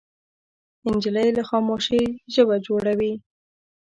نجلۍ له خاموشۍ ژبه جوړوي.